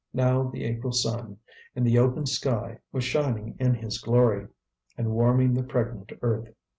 Now the April sun, in the open sky, was shining in his glory, and warming the pregnant earth.